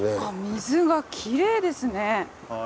水がきれいですね。